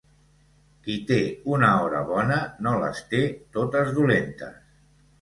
Qui té una hora bona no les té totes dolentes.